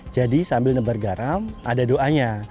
jadi sambil menabur garam ada doanya